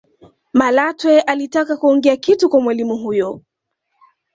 malatwe alitaka kuongea kitu kwa mwalimu huyo